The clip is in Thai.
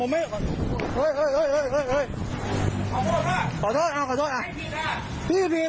มันมีเมท